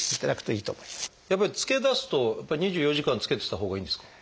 やっぱりつけだすと２４時間つけてたほうがいいんですか？